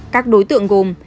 các đối tượng gồm